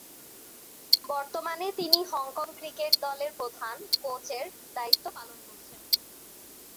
বর্তমানে তিনি Hong Kong cricket দলের প্রধান কোচের দায়িত্ব পালন করছেন।